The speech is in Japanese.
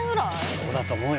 そうだと思うよ